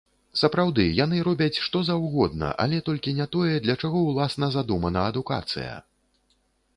Сапраўды, яны робяць што заўгодна, але толькі не тое, для чаго ўласна задумана адукацыя.